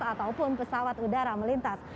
ataupun pesawat udara melintas